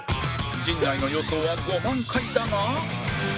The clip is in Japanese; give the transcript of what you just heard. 陣内の予想は５万回だが